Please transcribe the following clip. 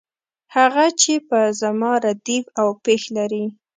هغه چې په زما ردیف او پیښ لري.